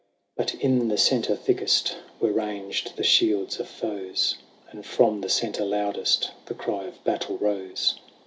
XIII. But in the centre thickest Were ranged the shields of foes, And from the centre loudest The cry of battle rose.